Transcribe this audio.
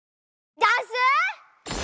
ダンス！